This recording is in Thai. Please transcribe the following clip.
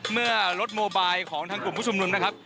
เมื่อรถโมบายของทางกลุ่มผู้ชุมนุมนะครับ